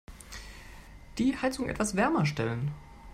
Die Heizung etwas wärmer stellen.